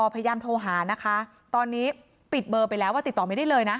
พยายามโทรหานะคะตอนนี้ปิดเบอร์ไปแล้วว่าติดต่อไม่ได้เลยนะ